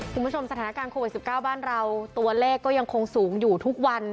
คุณผู้ชมสถานการณ์โควิด๑๙บ้านเราตัวเลขก็ยังคงสูงอยู่ทุกวัน